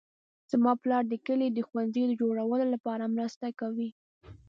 زما پلار د کلي د ښوونځي د جوړولو لپاره مرسته کوي